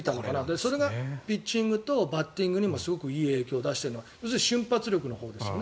それがピッチングとバッティングにもいい影響を出している瞬発力のほうですね。